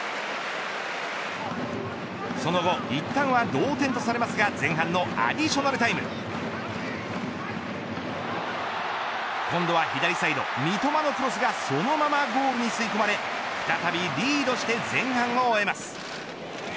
その後、いったんは同点とされますが今度は左サイド、三笘のクロスがそのままゴールに吸い込まれ再びリードして前半を終えます。